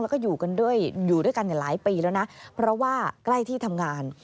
แล้วก็อยู่กันด้วยอยู่ด้วยกันหลายปีแล้วนะเพราะว่าใกล้ที่ทำงาน